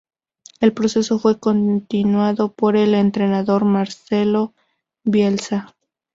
El proceso fue continuado por el entrenador Marcelo Bielsa.